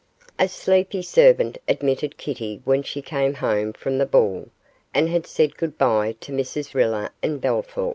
A sleepy servant admitted Kitty when she came home from the ball, and had said goodbye to Mrs Riller and Bellthorp.